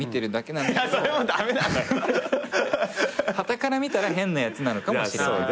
はたから見たら変なやつなのかもしれない。